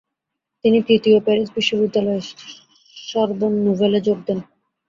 তিনি তৃতীয় প্যারিস বিশ্ববিদ্যালয়: সরবোন নুভেলে যোগ দেন।